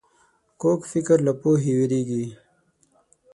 کوږ فکر له پوهې وېرېږي